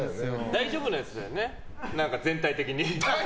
大丈夫なやつだよね、全体的に。